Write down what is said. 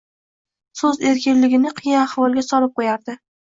so‘z erkinligini qiyin ahvolga solib qo‘yardi.